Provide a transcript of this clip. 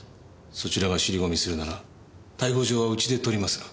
そちらが尻込みするなら逮捕状はうちで取りますが？